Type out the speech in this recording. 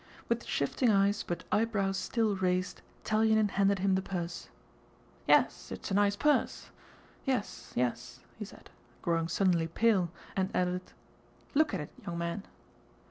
With shifting eyes but eyebrows still raised, Telyánin handed him the purse. "Yes, it's a nice purse. Yes, yes," he said, growing suddenly pale, and added, "Look at it, young man."